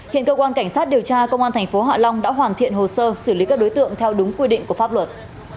hiện cơ quan cảnh sát điều tra công an tp hạ long đã hoàn thiện hồ sơ xử lý các đối tượng theo đúng quy định của pháp luật